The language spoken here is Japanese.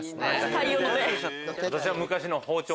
太陽の手。